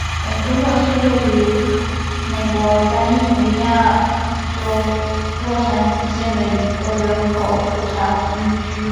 文森特是位于美国加利福尼亚州洛杉矶县的一个人口普查指定地区。